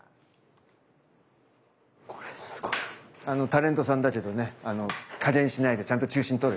タレントさんだけどね加減しないでちゃんと中心とる。